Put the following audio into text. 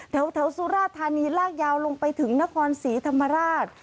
สุราธานีลากยาวลงไปถึงนครศรีธรรมราช